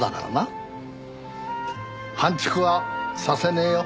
半ちくはさせねえよ。